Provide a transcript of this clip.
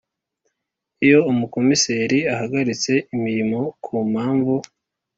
Iyo Umukomiseri ahagaritse imirimo ku mpamvu